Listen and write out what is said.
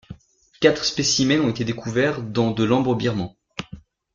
Quatre spécimens ont été découverts dans de l'ambre birman.